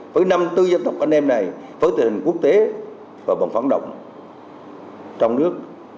với năm bốn dân tộc anh em này với tình hình quốc tế và bằng phán động trong nước